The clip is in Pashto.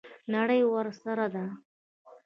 نړۍ ورسره ده.